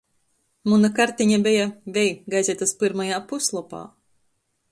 Muna karteņa beja, vei, gazetys pyrmajā puslopā.